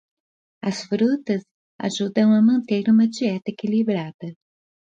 As frutas ajudam a manter uma dieta equilibrada.